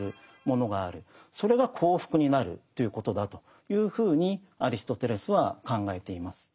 それが幸福になるということだというふうにアリストテレスは考えています。